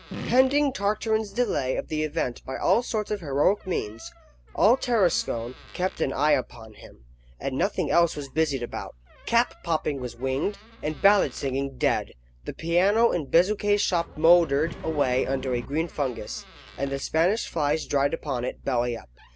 PENDING Tartarin's delay of the event by all sorts of heroic means, all Tarascon kept an eye upon him, and nothing else was busied about. Cap popping was winged, and ballad singing dead. The piano in Bezuquet's shop mouldered away under a green fungus, and the Spanish flies dried upon it, belly up.